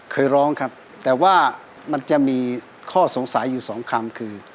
เคยร้องครับแต่ว่ามันจะมีข้อสงสัยอยู่สองคำคือ